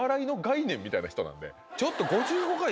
みたいな人なんでちょっと。